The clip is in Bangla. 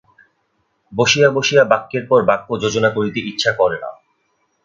বসিয়া বসিয়া বাক্যের পর বাক্য যোজনা করিতে ইচ্ছা করে না।